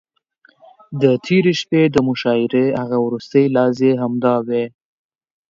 د تېرې شپې د مشاعرې هغه وروستۍ لحظې همداوې.